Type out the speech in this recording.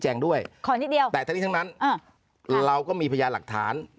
ขอนิดเดียวแต่ทั้งนั้นเราก็มีพยายามหลักฐาน